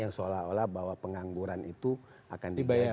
yang seolah olah bahwa pengangguran itu akan dibayar